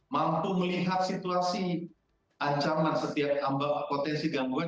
mampu melihat situasi ancaman setiap ambang potensi gambuan